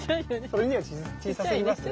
それには小さすぎますね。